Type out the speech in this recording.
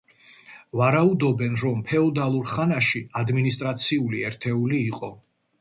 ვარაუდობენ, რომ ფეოდალურ ხანაში ადმინისტრაციული ერთული იყო.